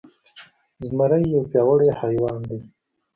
زمری يو پياوړی حيوان دی.